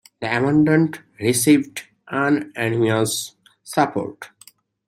The amendment received unanimous support.